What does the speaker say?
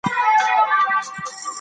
که لږ اوبه وي، د عضلاتو مقاومت کمېږي.